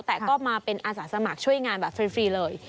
แต่ก็มาเป็นอาสาสมัครช่วยงานแบบฟรีเลย